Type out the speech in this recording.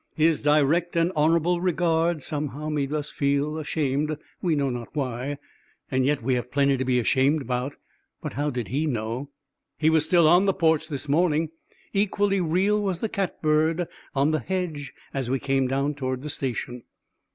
His direct and honourable regard somehow made us feel ashamed, we know not why. And yet we have plenty to be ashamed about but how did he know? He was still on the porch this morning. Equally real was the catbird on the hedge as we came down toward the station.